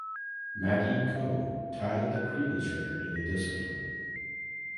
Madi Ko tied the previous record in the discipline.